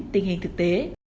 tình hình thực tế